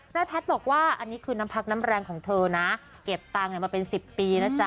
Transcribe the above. แพทย์บอกว่าอันนี้คือน้ำพักน้ำแรงของเธอนะเก็บตังค์มาเป็น๑๐ปีนะจ๊